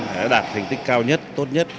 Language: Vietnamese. đã đạt thành tích cao nhất tốt nhất